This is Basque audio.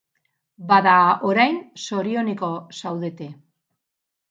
Bada, orain, zorioneko zaudete.